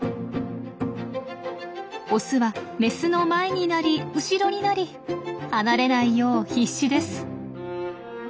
オスはメスの前になり後ろになり離れないよう必死です。